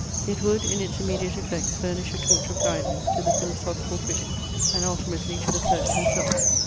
It would in its immediate effects furnish a torch of guidance to the philosophical critic; and ultimately to the poet himself.